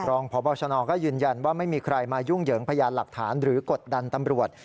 รองพบชนก็ยืนยันว่าไม่มีใครมายุ่งเหยิงพยานหลักฐานหรือกดดันตำรวจ